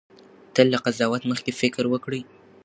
تل له قضاوت مخکې فکر وکړئ.